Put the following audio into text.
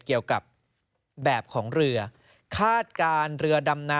เกี่ยวกับแบบของเรือ